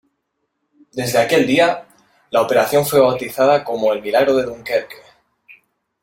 Desde aquel día, la operación fue bautizada como "El Milagro de Dunkerque".